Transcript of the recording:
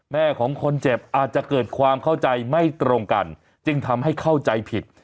ของคนเจ็บอาจจะเกิดความเข้าใจไม่ตรงกันจึงทำให้เข้าใจผิด